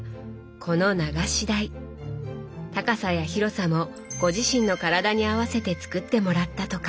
高さや広さもご自身の体に合わせて作ってもらったとか。